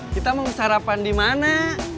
kita mau sarapan di mana